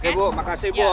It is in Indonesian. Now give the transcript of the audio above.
oke bu makasih bu